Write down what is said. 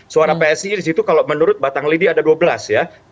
suara psi di situ kalau menurut batang lidi ada dua belas ya